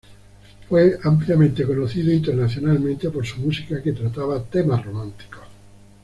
Fue ampliamente conocido internacionalmente por su música que trataba temas románticos.